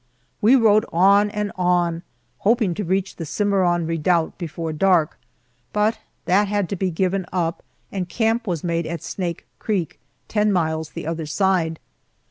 We rode on and on, hoping to reach the Cimarron Redoubt before dark, but that had to be given up and camp was made at Snake Creek, ten miles the other side.